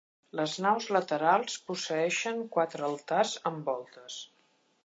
Les naus laterals posseeixen quatre altars amb voltes.